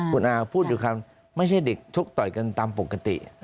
คุณอาพูดอยู่คำไม่ใช่เด็กชกต่อยกันตามปกติ